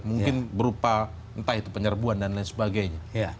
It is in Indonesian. mungkin berupa penyerbuan dan lain sebagainya